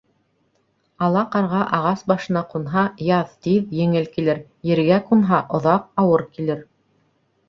Ала ҡарға ағас башына ҡунһа, яҙ тиҙ, еңел килер; ергә ҡунһа, оҙаҡ, ауыр килер.